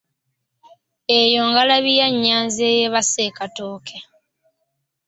Eyo ngalabi ya Nyanzi eyeebase e Katooke.